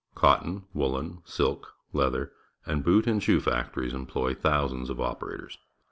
Cotton, woollen, silk, leather, and boot and shoe factories employ thousands of operators.